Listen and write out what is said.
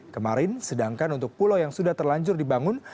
kemarin sedangkan untuk pulau yang sudah terlanjur dibangun